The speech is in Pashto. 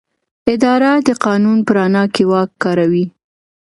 اداره د قانون په رڼا کې واک کاروي.